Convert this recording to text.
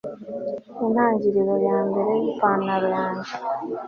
Intangiriro yambere yipantaro yanjye